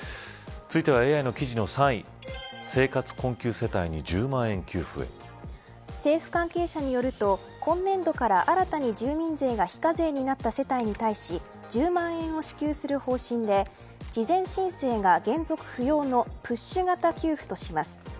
ＡＩの記事の３位政府関係者によると今年度から、新たに住民税が非課税になった世帯に対し１０万円を支給する方針で事前申請が原則不要のプッシュ型給付とします。